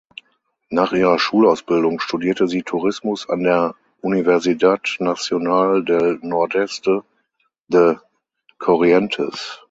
Nach ihrer Schulausbildung studierte sie Tourismus an der Universidad Nacional del Nordeste de Corrientes.